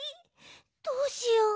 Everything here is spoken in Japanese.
どうしよう！？